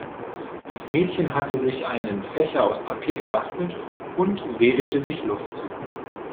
Das Mädchen hatte sich einen Fächer aus Papier gebastelt und wedelte sich Luft zu.